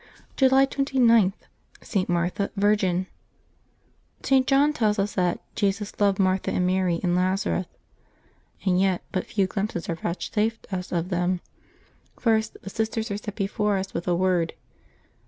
July 29.— ST. MARTHA, Virgin. ^T. John" tells us that " Jesus loved Martha and Mary and Lazarus,'^ and yet but few glimpses are vouch safed us of them. First, the sisters are set before us with a word.